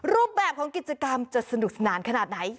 รูปแบบของกิจกรรมจะสนุกสนานขนาดไหน